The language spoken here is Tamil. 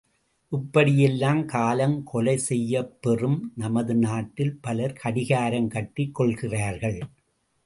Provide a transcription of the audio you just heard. இப்படியெல்லாம் காலம் கொலை செய்யப்பெறும் நமது நாட்டில் பலர் கடிகாரம் கட்டிக் கொள்கிறார்கள்!